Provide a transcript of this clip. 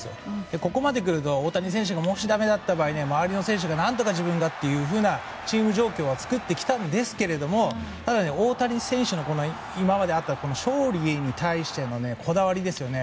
ここまでくると、大谷選手がもしだめだった場合は周りの選手が、自分がというチーム状況は作ってきたんですがただ、大谷選手の今まであった勝利に対するこだわりですね。